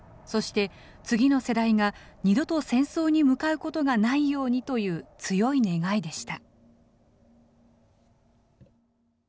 そして、次の世代が二度と戦争に向かうことがないようにという強い願いでした。